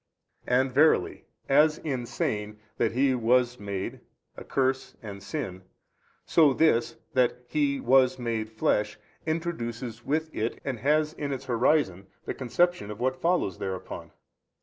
|244 A. And verily as in saying that He WAS MADE a curse and sin, so this that He WAS MADE flesh introduces with it and has in its horizon the conception of what follows thereupon.